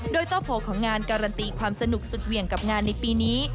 โดยโต้โผล่ของงานการันตีความสนุกสุดเหวี่ยงกับงานในปีนี้